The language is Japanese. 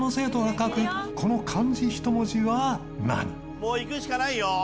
もういくしかないよ。